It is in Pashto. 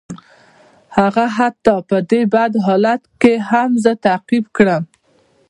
هغه حتی په دې بد حالت کې هم زه تعقیب کړم